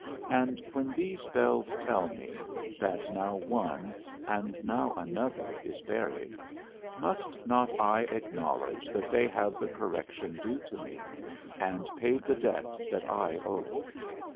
And when these bells tell me, that now one, and now another is buried, must not I acknowledge that they have the correction due to me, and paid the debt that I owe?